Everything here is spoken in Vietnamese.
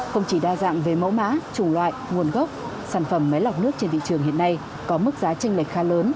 không chỉ đa dạng về mẫu mã chủng loại nguồn gốc sản phẩm máy lọc nước trên thị trường hiện nay có mức giá tranh lệch khá lớn